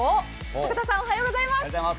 坂田さん、おはようございます。